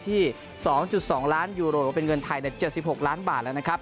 ที่๒๒ล้านยูโรเป็นเงินไทย๗๖ล้านบาทแล้วนะครับ